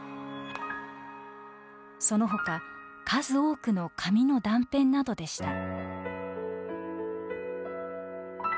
その他数多くの紙の断片などでした。